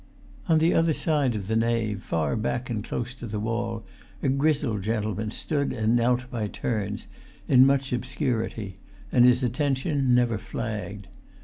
On the other side of the nave, far back and close to the wall, a grizzled gentleman stood and knelt by turns, in much obscurity; and his attention never flagged.